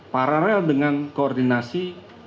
paralel dengan koordinasi